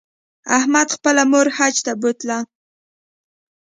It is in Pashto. احمد خپله مور حج ته بوتله.